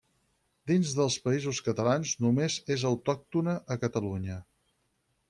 Dins dels Països Catalans només és autòctona a Catalunya.